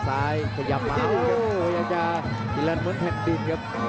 ซ้ายขยับมาอีกครับเขาอยากจะทิลันเหมือนแผ่นดินครับ